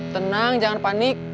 tenang jangan panik